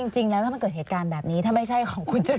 จริงแล้วถ้ามันเกิดเหตุการณ์แบบนี้ถ้าไม่ใช่ของคุณชนะ